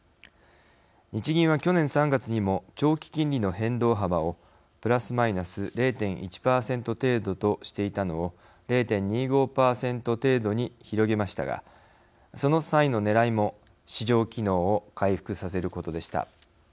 日銀は去年３月にも長期金利の変動幅をプラスマイナス０．１％程度としていたのを０．２５％程度に広げましたがその際のねらいも市場機能を回復させることでした。